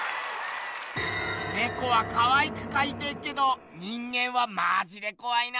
ネコはかわいくかいてっけど人間はマジでこわいな。